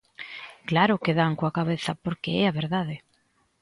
¡Claro que dan coa cabeza porque é a verdade!